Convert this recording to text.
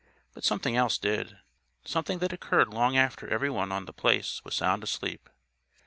But something else did. Something that occurred long after everyone on The Place was sound asleep.